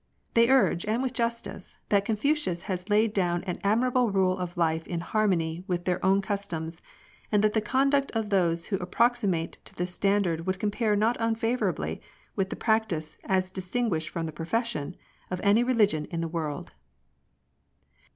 They urge, and with justice, that Confucius has laid down an admirable rule of life in harmony with their own customs, and that the conduct of those who approxi mate to this standai d would compare not unfavourably with the practice, as distinguished from the profession, of any religion in the world.